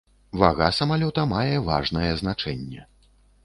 Вага самалёта мае важнае значэнне.